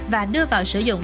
và đưa vào sử dụng